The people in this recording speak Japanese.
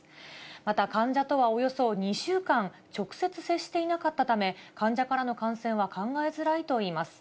また、患者とはおよそ２週間、直接接していなかったため、患者からの感染は考えづらいといいます。